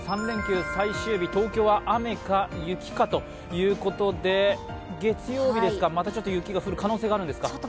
３連休最終日、東京は雨か雪かということで月曜日ですか、また雪が降る可能性があるんですか。